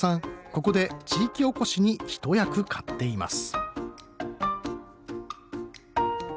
ここで地域おこしに一役買っています